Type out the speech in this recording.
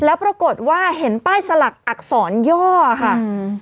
แล้วปรากฏว่าเห็นป้ายสลักอักษรย่อค่ะอืม